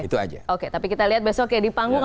itu aja oke tapi kita lihat besok ya di panggung